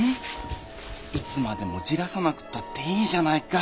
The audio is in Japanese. いつまでも焦らさなくたっていいじゃないか！